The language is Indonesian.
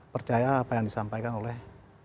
percaya apa yang disampaikan oleh